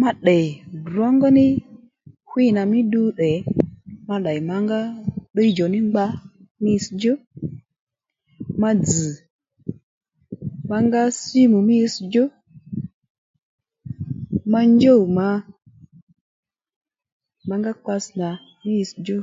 Ma tdè ddrǒngóní hwî nà mí ddu tdè ma ddèy mǎngá ddíydjò ní ngba mí itsdjú ma dzz̀ mǎngá símù mí itssdjú ma njûw ma mǎngá kpatss nà mí itsdjú